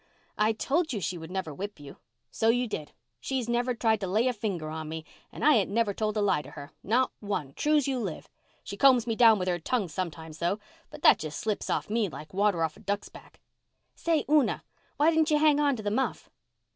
"I told you she would never whip you." "So you did. She's never tried to lay a finger on me and I ain't never told a lie to her—not one, true's you live. She combs me down with her tongue sometimes though, but that just slips off me like water off a duck's back. Say, Una, why didn't you hang on to the muff?"